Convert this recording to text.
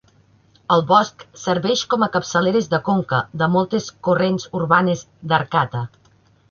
El bosc serveix com a capçaleres de conca de moltes corrents urbanes d"Arcata.